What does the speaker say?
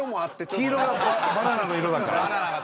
黄色がバナナの色だから？